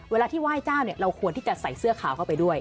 เวลาที่ไหว้เจ้าเราควรที่จะใส่เสื้อขาวเข้าไปด้วย